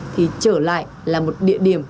thì trở lại là một địa điểm